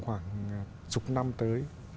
khoảng chục năm tới